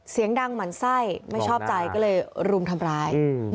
เสียงดังหมั่นไส้ไม่ชอบใจก็เลยรุมทำร้าย